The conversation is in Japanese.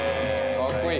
かっこいい。